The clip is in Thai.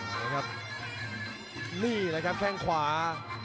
ดูครับนี่แล้วกับแบบแค่งขวา